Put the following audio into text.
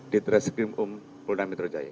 di treskrim um pulau mitra jaya